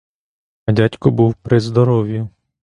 А дядько був при здоров'ю.